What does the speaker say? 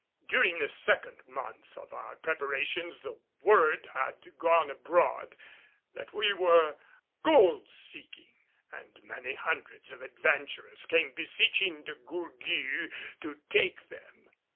During the second month of our preparations the word had gone abroad that we were gold seeking and many hundreds of adventurers came beseeching De Gourgues to take them.